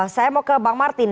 saya mau ke bang martin